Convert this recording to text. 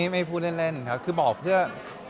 ไม่ฟูเล่นคือบอกเพื่อ